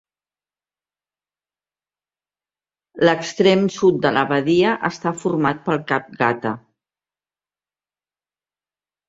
L'extrem sud de la badia està format pel cap Gata.